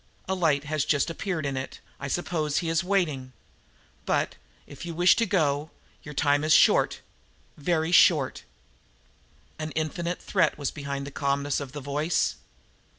"A light has just appeared in it. I suppose he is waiting. But, if you wish to go, your time is short very short!" An infinite threat was behind the calmness of the voice.